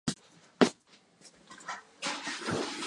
ありえないくらい時間かかります